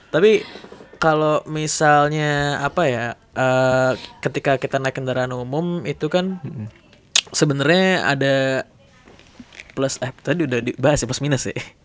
tapi kalau misalnya apa ya ketika kita naik kendaraan umum itu kan sebenarnya ada plus app tadi udah dibahas ya plus minus sih